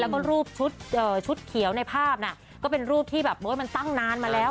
แล้วก็รูปชุดเขียวในภาพน่ะก็เป็นรูปที่แบบมันตั้งนานมาแล้ว